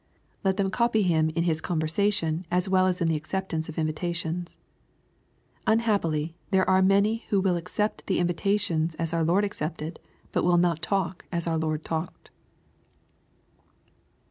Let them copy Him in His conversation as well as in the ecceptance of invitations. UnhappOy, there are many who will accept the invitations as our Lord accepted, but will not talk as our Lord talked.